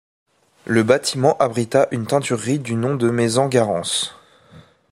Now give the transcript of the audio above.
Le bâtiment abrita une teinturerie du nom de Maison Garance.